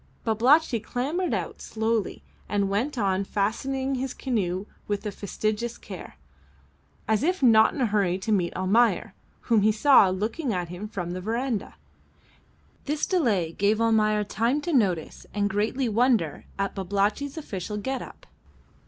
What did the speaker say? Babalatchi clambered out slowly and went on fastening his canoe with fastidious care, as if not in a hurry to meet Almayer, whom he saw looking at him from the verandah. This delay gave Almayer time to notice and greatly wonder at Babalatchi's official get up.